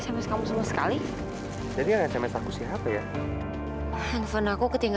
sampai jumpa di video selanjutnya